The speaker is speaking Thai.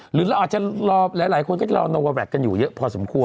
หรือเราอาจจะรอหลายคนก็จะรอโนวาแวคกันอยู่เยอะพอสมควร